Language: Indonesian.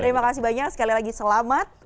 terima kasih banyak sekali lagi selamat